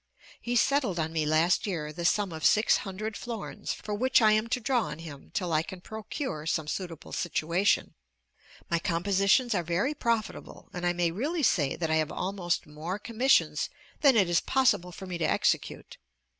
He settled on me last year the sum of six hundred florins, for which I am to draw on him till I can procure some suitable situation. My compositions are very profitable, and I may really say that I have almost more commissions than it is possible for me to execute.